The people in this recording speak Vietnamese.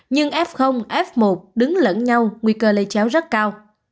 nhưng f f một đứng lẫn nhau nguy cơ lây chéo rất cao